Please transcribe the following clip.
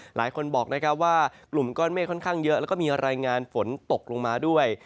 หลายคนบอกนะครับว่ากลุ่มก้อนเมฆค่อนข้างเยอะแล้วก็มีรายงานฝนตกลงมาด้วย